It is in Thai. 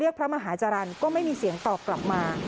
พระมหาจรรย์ก็ไม่มีเสียงตอบกลับมา